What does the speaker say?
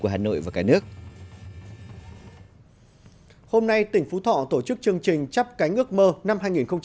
hôm nay tỉnh phú thọ tổ chức chương trình chắp cánh ước mơ năm hai nghìn một mươi sáu